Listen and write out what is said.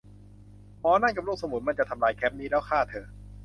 หมอนั่นกับลูกสมุนมันจะทำลายแคมป์นี้ แล้วฆ่าเธอ